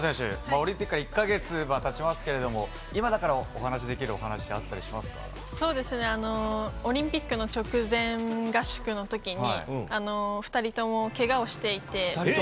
オリンピックから１か月経ちますけれども今だからお話しできる話はオリンピックの直前合宿の時に２人ともけがをしていて。